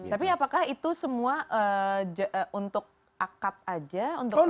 tapi apakah itu semua untuk akad aja untuk